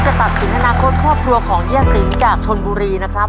จะตัดสินหนาควดคอบครัวของเยาทศิลปิดจากชนบุรีนะครับ